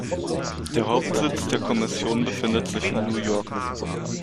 Der Hauptsitz der Kommission befindet sich in New York.